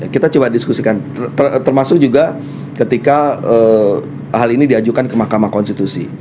kita coba diskusikan termasuk juga ketika hal ini diajukan ke mahkamah konstitusi